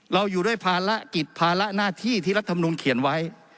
อยู่ด้วยภารกิจภาระหน้าที่ที่รัฐมนุนเขียนไว้